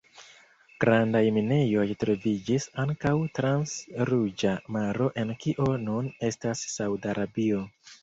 Grandaj minejoj troviĝis ankaŭ trans Ruĝa Maro en kio nun estas Saud-Arabio.